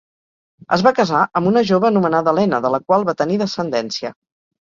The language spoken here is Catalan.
Es va casar amb una jove anomenada Helena, de la qual va tenir descendència.